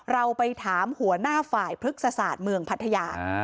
เราไปถามหัวหน้าฝ่ายพฤกษศาสตร์เมืองพัทยา